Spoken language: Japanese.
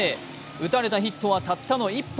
打たれたヒットは、たったの１本。